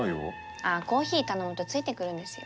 ああコーヒー頼むとついてくるんですよ。